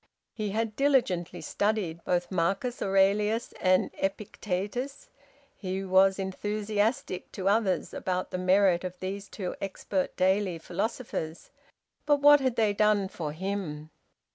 He had diligently studied both Marcus Aurelius and Epictetus; he was enthusiastic, to others, about the merit of these two expert daily philosophers; but what had they done for him?